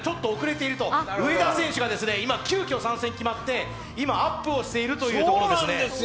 今上田選手が急きょ参戦決まって今、アップをしているというところですね。